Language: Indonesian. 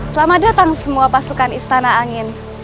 selamat datang semua pasukan istana angin